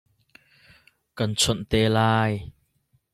Kan chawnh te lai.